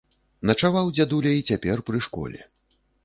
Начаваў дзядуля і цяпер пры школе.